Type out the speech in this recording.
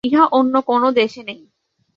ইহা অন্য কোনও দেশে নেই।